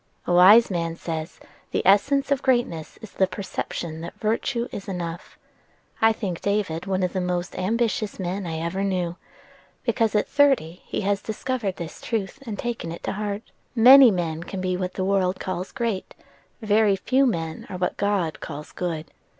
"A wise man says, 'The essence of greatness is the perception that virtue is enough.' I think David one of the most ambitious men I ever knew, because at thirty he has discovered this truth, and taken it to heart. Many men can be what the world calls great: very few men are what God calls good.